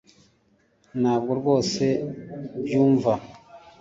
ntabwo rwose ubyumva